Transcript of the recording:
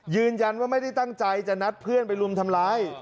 ยืนยันว่าไม่ได้ตั้งใจจะนัดเพื่อนไปรุมทำร้าย